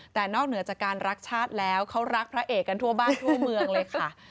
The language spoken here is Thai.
แต่นอกเหนือจากการรักชาติแล้วเขารักพระเอกกันทั่วบ้านทั่วเมืองเลยค่ะ